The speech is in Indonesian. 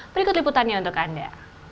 berikut liputannya untuk anda